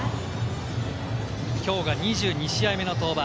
きょうが２２試合目の登板。